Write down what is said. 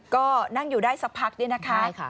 ก็นั่งอยู่ได้สักพักนี่นะคะ